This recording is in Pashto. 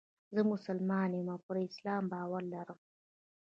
زه مسلمان یم او پر اسلام باور لرم.